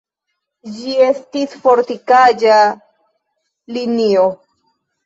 Ĝi estis fortikaĵa linio.